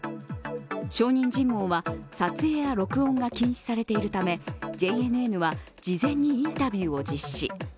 証人尋問は撮影や録音が禁止されているため、ＪＮＮは事前にインタビューを実施。